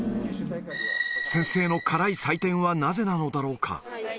先生の辛い採点はなぜなのだろうか。